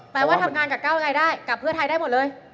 หมายความว่าทำงานกับก้าวยังไงได้กับเพื่อไทยได้หมดเลย